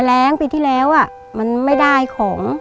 แรงปีที่แล้วมันไม่ได้ของ